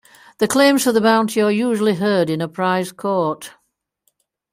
The claims for the bounty are usually heard in a Prize Court.